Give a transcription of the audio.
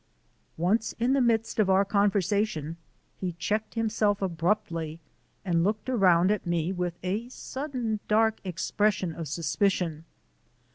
Once, in the midst of our conversation, he checked himself abruptly and looked around at me with a sudden dark expression of suspicion.